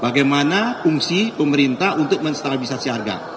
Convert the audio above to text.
bagaimana fungsi pemerintah untuk menstabilisasi harga